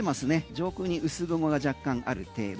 上空に薄雲が若干ある程度。